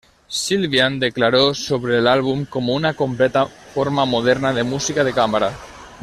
Sylvian declaró sobre el álbum como "una completa forma moderna de música de cámara.